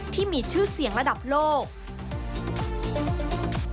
ที่มีชื่อเสียงระดับโลก